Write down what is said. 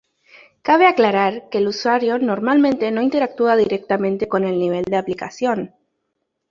Cabe aclarar que el usuario normalmente no interactúa directamente con el nivel de aplicación.